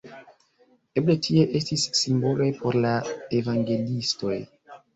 Eble tie estis simboloj por la evangeliistoj.